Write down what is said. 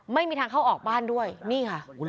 ไม่มีทางเข้าออกบ้านด้วยนี่ค่ะ